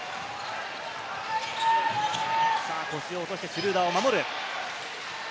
腰を落としてシュルーダーを守る。